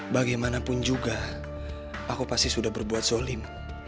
bagaimanapun juga aku pasti sudah berbuat zolim